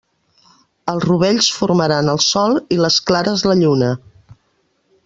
Els rovells formaran el sol i les clares, la lluna.